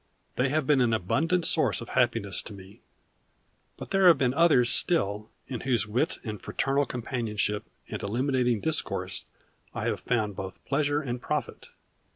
They have been an abundant source of happiness to me; but there have been others still, in whose wit and fraternal companionship, and illuminating discourse, I have found both pleasure and profit.